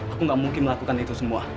aku gak mungkin melakukan itu semua